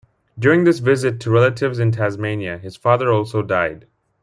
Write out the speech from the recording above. During this visit, to relatives in Tasmania, his father also died.